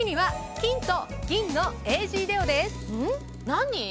何？